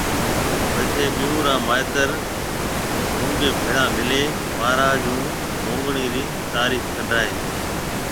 پڇيَ ٻيون را مائيتر مونگيَ ڀيڙا ملي مھاراج ھون مونگڻيَ رِي تاريخ ڪڍرائيَ ھيَََ